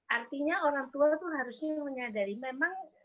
artinya orang tua itu harusnya menyadari memang